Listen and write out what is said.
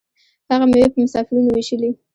هغه میوې په مسافرینو ویشلې.